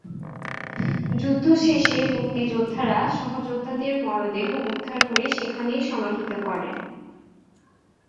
যুদ্ধ শেষে মুক্তিযোদ্ধারা সহযোদ্ধাদের মরদেহ উদ্ধার করে সেখানেই সমাহিত করেন।